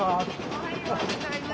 おはようございます。